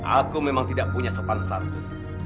aku memang tidak punya sopan santu